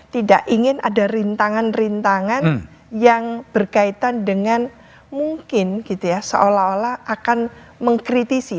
tidak ingin ada rintangan rintangan yang berkaitan dengan mungkin gitu ya seolah olah akan mengkritisi